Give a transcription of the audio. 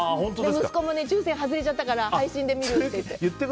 息子も抽選外れちゃったから配信で見るって言って。